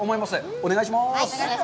お願いします。